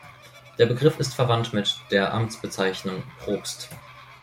Der Begriff ist verwandt mit der Amtsbezeichnung Propst.